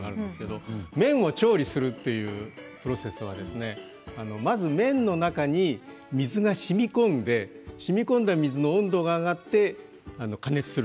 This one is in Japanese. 麺を調理するというプロセス、まず麺の中に水がしみこんでしみこんだ水の温度が上がって加熱する。